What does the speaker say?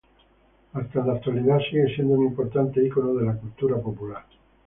Hasta en la actualidad, sigue siendo un importante ícono de la cultura popular.